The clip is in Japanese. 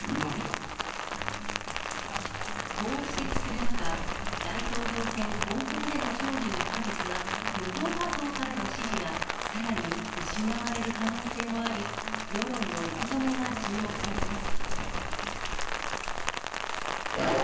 こう指摘する中、大統領選本選での勝利に不可欠な無党派層からの支持がさらに失われる可能性もあり、世論の受け止めが注目されます。